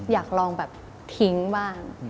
อยากลองแบบทิ้งบ้าง